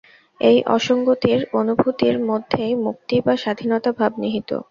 এই অসঙ্গতির অনুভূতির মধ্যেই মুক্তি বা স্বাধীনতা ভাব নিহিত।